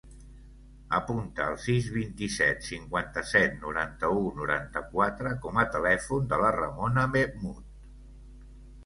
Apunta el sis, vint-i-set, cinquanta-set, noranta-u, noranta-quatre com a telèfon de la Ramona Mehmood.